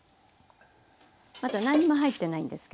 まだ何にも入ってないんですけどね。